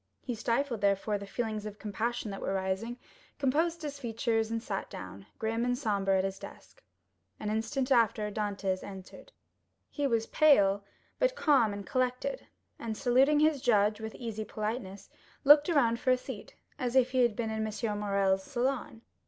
He stifled, therefore, the feelings of compassion that were rising, composed his features, and sat down, grim and sombre, at his desk. An instant after Dantès entered. He was pale, but calm and collected, and saluting his judge with easy politeness, looked round for a seat, as if he had been in M. Morrel's salon.